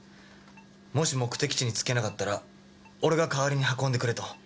もし目的地に着けなかったら俺が代わりに運んでくれと。